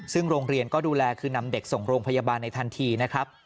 ซึ่งโรงเรียนก็ดูแลคือนำเด็กส่งโรงพยาบาลในทันทีนะครับ